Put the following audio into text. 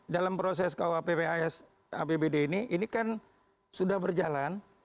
dalam proses kuapbd ini kan sudah berjalan